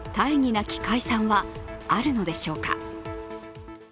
なき解散はあるのでしょうか。